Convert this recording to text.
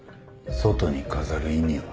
外に飾る意味は？